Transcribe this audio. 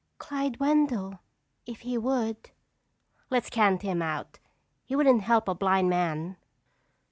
"Clyde Wendell, if he would." "Let's count him out. He wouldn't help a blind man."